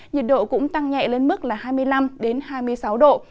nhiệt độ cũng tăng nhẹ lên mức là hai mươi năm hai mươi sáu độ